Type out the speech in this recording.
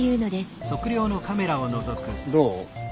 どう？